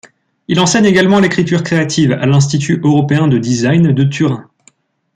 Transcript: Il enseigne également l'écriture créative à l'Institut Européen de Design de Turin.